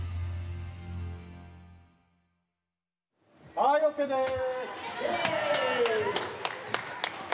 はいＯＫです！